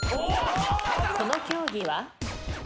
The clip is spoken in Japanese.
この競技は？